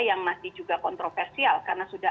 yang masih juga kontroversial karena sudah